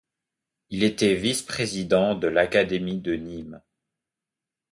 Il était vice-président de l'Académie de Nîmes.